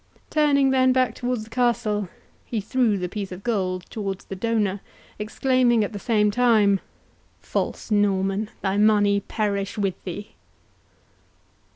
—Turning then back towards the castle, he threw the piece of gold towards the donor, exclaiming at the same time, "False Norman, thy money perish with thee!"